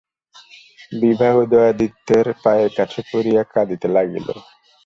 বিভা উদয়াদিত্যের পায়ের কাছে পড়িয়া কাঁদিতে লাগিল।